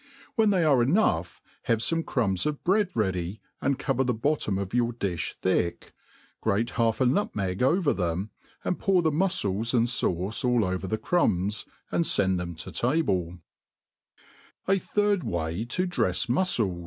When tbey are enough, have fome crumbs of breid ready, and cover the bottom of your di(h thick, grate half a nutmeg over them, and pour theinufcles and fauc^ ail over the crumbs, and fend ^hem to tabte; "' t A third Way to drefs MufcUt.